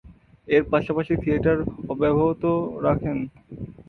এর পাশাপাশি থিয়েটার অব্যাহত রাখেন।